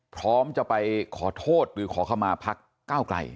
พร้อมจะไปขอโทษหรือขอเข้ามาพักก้าวไกล